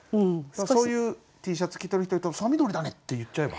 そういうＴシャツ着てる人いたら「さ緑だね」って言っちゃえば。